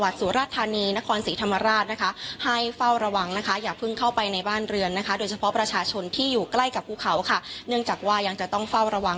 วันที่๖วันที่๗น่าจะดีขึ้นแล้วล่ะครับ